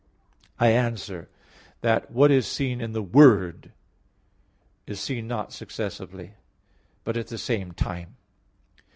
I answer that, What is seen in the Word is seen not successively, but at the same time.